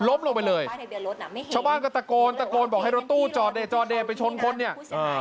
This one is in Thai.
ลบลงไปเลยเช้าบ้านก็ตะโกนบอกให้รถตู้จอเบียดไปชนคนเนี่ย